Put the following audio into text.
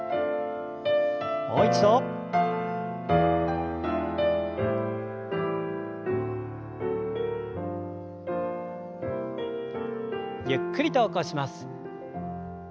もう一度。ゆっくりと起こします。